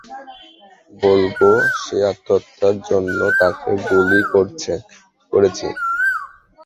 বলব যে আত্মরক্ষার জন্য তোকে গুলি করেছি।